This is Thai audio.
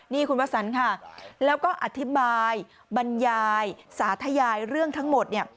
นี่คุณพระสันค่ะแล้วก็อธิบายบรรยายสาธยายเรื่องทั้งหมดเนี่ย